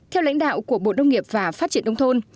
theo lãnh đạo của bộ nông nghiệp và phát triển đông thôn